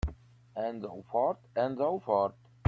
And so forth and so forth.